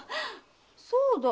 そうだ！